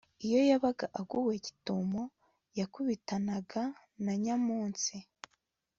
iyo yabaga aguwe gitumo, yakubitanaga na nyamunsi